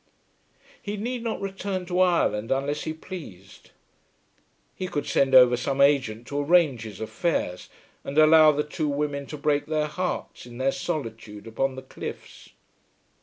He need not return to Ireland unless he pleased. He could send over some agent to arrange his affairs, and allow the two women to break their hearts in their solitude upon the cliffs.